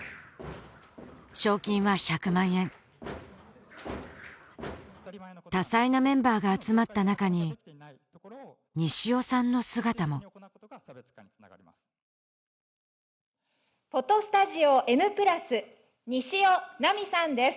賞金は１００万円多彩なメンバーが集まった中に西尾さんの姿もｐｈｏｔｏｓｔｕｄｉｏＮ＋西尾菜美さんです